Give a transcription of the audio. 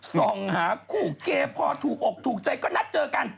ส่องหาคู่เกพอถูกอกถูกใจก็นัดเจอกัน